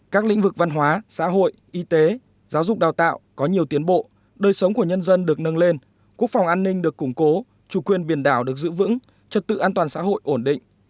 các lĩnh vực văn hóa xã hội y tế giáo dục đào tạo có nhiều tiến bộ đời sống của nhân dân được nâng lên quốc phòng an ninh được củng cố chủ quyền biển đảo được giữ vững trật tự an toàn xã hội ổn định